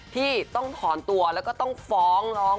ที่ต้องถอนตัวแล้วก็ต้องฟ้องร้อง